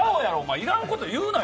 要らんこと言うなよ。